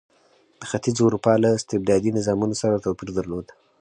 د ختیځې اروپا له استبدادي نظامونو سره توپیر درلود.